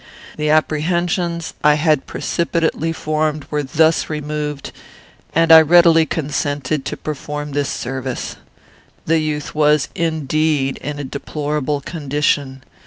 "The apprehensions I had precipitately formed were thus removed, and I readily consented to perform this service. The youth was, indeed, in a deplorable condition.